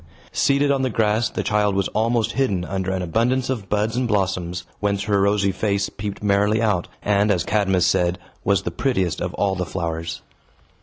Seated on the grass, the child was almost hidden under an abundance of buds and blossoms, whence her rosy face peeped merrily out, and, as Cadmus said, was the prettiest of all the flowers.